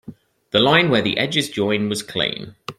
The line where the edges join was clean.